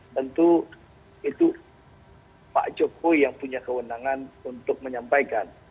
tentu itu pak jokowi yang punya kewenangan untuk menyampaikan